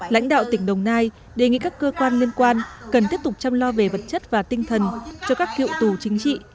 lãnh đạo tỉnh đồng nai đề nghị các cơ quan liên quan cần tiếp tục chăm lo về vật chất và tinh thần cho các cựu tù chính trị